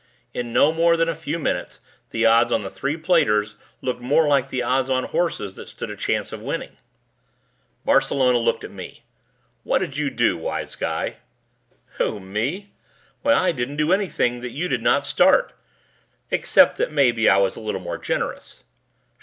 In no more than a few minutes the odds on the three platers looked more like the odds on horses that stood a chance of winning. Barcelona looked at me. "What did you do, wise guy?" "Who ... me? Why, I didn't do anything that you did not start except that maybe I was a little more generous."